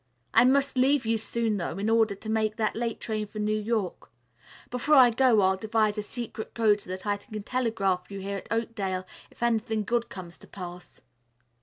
"I must leave you soon, though, in order to make that late train for New York. Before I go, I'll devise a secret code so that I can telegraph you here at Oakdale if anything good comes to pass."